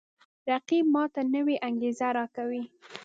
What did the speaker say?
رقیب ما ته نوی انگیزه راکوي